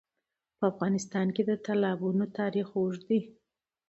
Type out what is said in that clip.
په افغانستان کې د تالابونه تاریخ اوږد دی.